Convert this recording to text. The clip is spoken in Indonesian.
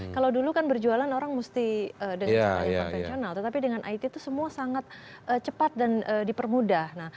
kalau dulu kan berjualan orang mesti dengan cara yang konvensional tetapi dengan it itu semua sangat cepat dan dipermudah